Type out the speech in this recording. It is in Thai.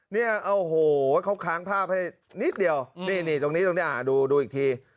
เนี่ยโอ้โหเขาค้างภาพให้นิดเดียวนี่ตรงนี้ตรงนี้ดูอีกที